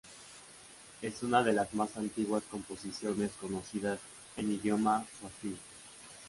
Es una de las más antiguas composiciones conocidas en idioma suajili.